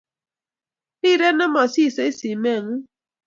Rirei ne masisei simeng'ung'